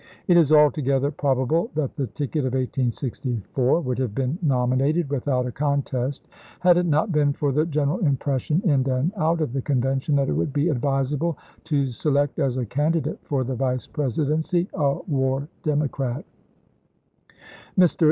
It is altogether probable that the ticket of 1864 would have been nominated without a contest had it not been for the general impression, in and out of the Convention, that it would be advisable to select as a candidate for the Vice Presidency a war Democrat. Mr.